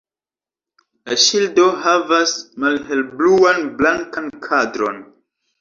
La ŝildo havas malhelbluan-blankan kadron.